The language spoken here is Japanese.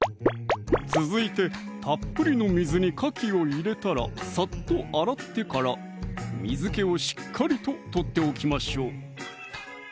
続いてたっぷりの水にかきを入れたらサッと洗ってから水気をしっかりと取っておきましょう